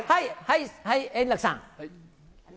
円楽さん。